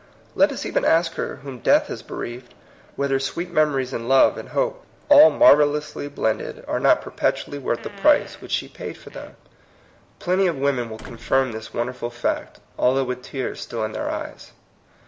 Let us even ask her whom death has bereaved, whether sweet memories and love and hope, all marvellously blended, are not perpetually THE LAW OF COST. 106 worth the price which she paid for them? Plenty of women will confirm this wonder ful fact, although with teais still in their eyes.